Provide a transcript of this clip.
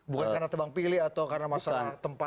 bukan karena tebang pilih atau karena masalah tempat